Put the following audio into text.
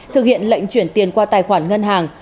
thực hiện lệnh chuyển tiền qua tài khoản ngân hàng